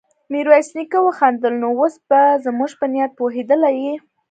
ميرويس نيکه وخندل: نو اوس به زموږ په نيت پوهېدلی يې؟